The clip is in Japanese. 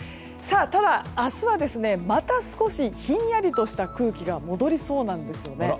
ただ、明日はまた少しひんやりとした空気が戻りそうなんですよね。